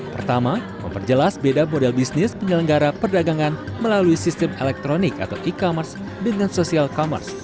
pertama memperjelas beda model bisnis penyelenggara perdagangan melalui sistem elektronik atau e commerce dengan social commerce